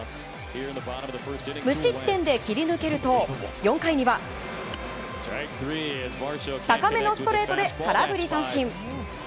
無失点で切り抜けると４回には高めのストレートで空振り三振。